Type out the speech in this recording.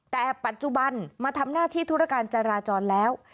แต่ปัจจุบันมาทำหน้าที่ธุรการจราจรแล้ว